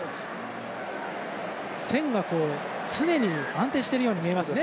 線が安定しているように見えますね。